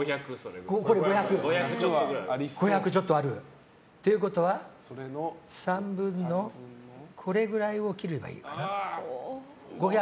５００ちょっとくらい。ということはこれぐらいを切ればいいのかな。